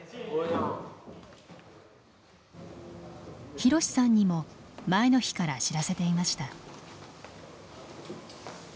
ひろしさんにも前の日から知らせていました。